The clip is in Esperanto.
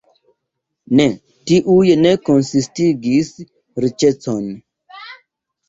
Ne, tiuj ne konsistigis riĉecon.